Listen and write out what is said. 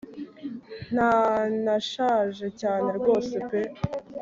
ntanashaje cyane rwose pe